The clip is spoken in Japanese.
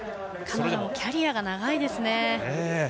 彼女もキャリアが長いです。